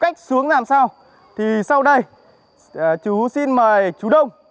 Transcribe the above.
cảm thấy rung rung